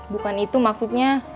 bukan itu maksudnya